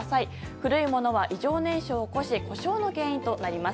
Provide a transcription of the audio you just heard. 古いものは異常燃焼を起こし故障の原因となります。